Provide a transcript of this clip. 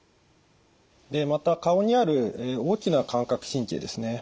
でまた顔にある大きな感覚神経ですね。